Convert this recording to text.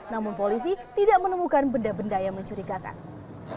namun polisi tidak menemukan benda benda yang mencurigakan